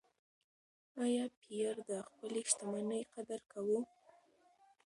ایا پییر د خپلې شتمنۍ قدر کاوه؟